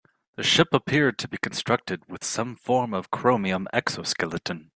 The ship appeared to be constructed with some form of chromium exoskeleton.